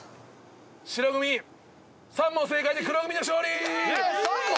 白組３問正解で黒組の勝利！